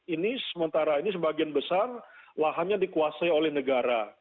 ini sementara ini sebagian besar lahannya dikuasai oleh negara